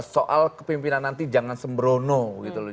soal kepimpinan nanti jangan sembrono gitu loh